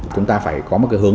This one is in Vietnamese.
chúng ta phải có một cái hướng